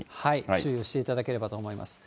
注意をしていただければと思います。